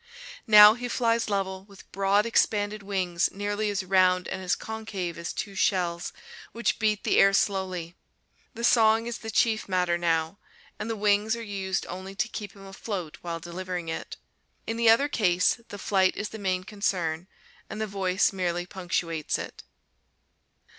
Now he flies level, with broad expanded wings nearly as round and as concave as two shells, which beat the air slowly. The song is the chief matter now, and the wings are used only to keep him afloat while delivering it. In the other case, the flight is the main concern, and the voice merely punctuates it.